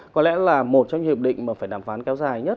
có lẽ là một trong hiệp định mà phải đàm phán kéo dài nhất